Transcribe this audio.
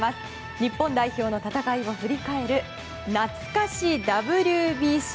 日本代表の戦いを振り返るなつか史ＷＢＣ。